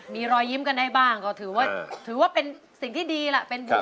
มีรอยยิ้มกันได้บ้างก็ถือว่าถือว่าเป็นสิ่งที่ดีล่ะเป็นบุญ